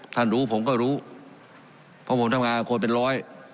ท่านรู้ผมก็รู้เพราะผมทำงานกับคนเป็นร้อย